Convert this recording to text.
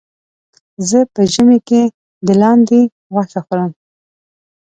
زه په ژمي کې د لاندې غوښه خورم.